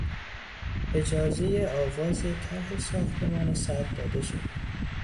اجازهی آغاز طرح ساختمان سد داده شد.